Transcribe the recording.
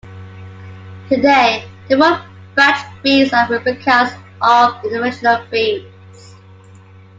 Today the Wood Badge beads are replicas of the original beads.